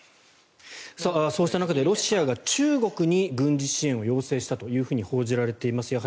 そうした中で、ロシアが中国に軍事支援を要請したと報じられています。